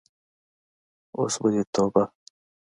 اوس به دې توبه.